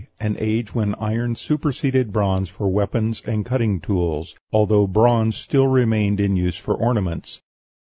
An age when iron superseded bronze for weapons and cutting tools, although bronze still remained in use for ornaments.